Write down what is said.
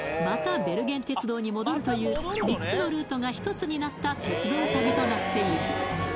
またベルゲン鉄道に戻るという３つのルートが１つになった鉄道旅となっている